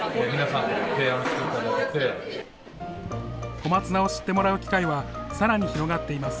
小松菜を知ってもらう機会はさらに広がっています。